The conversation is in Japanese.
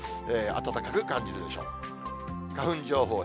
暖かく感じるでしょう。